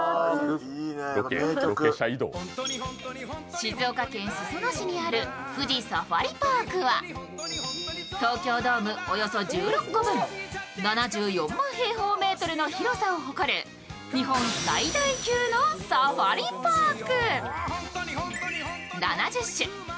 静岡県裾野市にある富士サファリパークは東京ドームおよそ１６個分７４万平方メートルの広さを誇る日本最大級のサファリパーク。